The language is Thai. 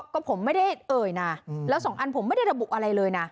ก็ผมไม่ได้เอ่ยนะแล้วสองอันผมไม่ได้ระบุอะไรเลยนะ